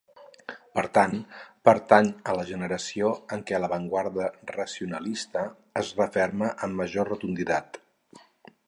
Per tant, pertany a la generació en què l'avantguarda racionalista es referma amb major rotunditat.